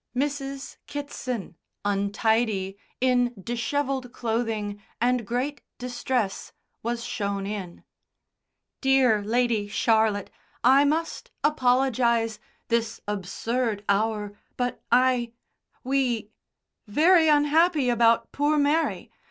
Mrs. Kitson, untidy, in dishevelled clothing, and great distress, was shown in. "Dear Lady Charlotte, I must apologise this absurd hour but I we very unhappy about poor Mary.